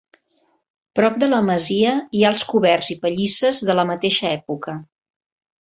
Prop de la masia hi ha els coberts i pallisses de la mateixa època.